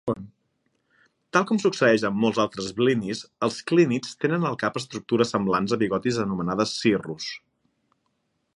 Tal com succeeix amb molts altres "blennies", els clínids tenen al cap estructures semblants a bigotis anomenades cirrus.